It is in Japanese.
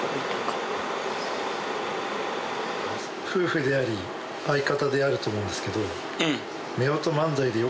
夫婦であり相方であると思うんですけど。